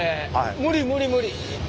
無理無理無理。